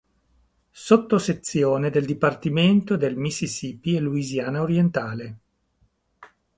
Sottosezione del Dipartimento del Mississippi e Louisiana Orientale.